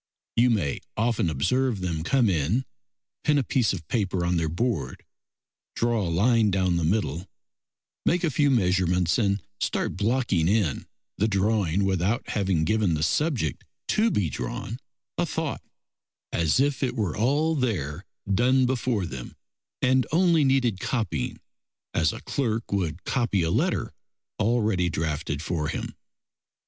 You may often observe them come in, pin a piece of paper on their board, draw a line down the middle, make a few measurements, and start blocking in the drawing without having given the subject to be drawn a thought, as if it were all there done before them, and only needed copying, as a clerk would copy a letter already drafted for him.